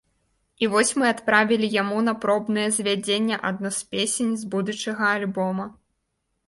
І вось мы адправілі яму на пробнае звядзенне адну з песень з будучага альбома.